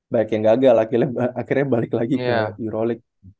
banyak yang gagal akhirnya balik lagi ke euro league